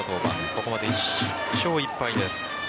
ここまで１勝１敗です。